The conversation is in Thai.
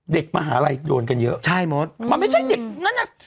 เด็กมหาลัยโดนกันเยอะมันไม่ใช่เด็กนั้น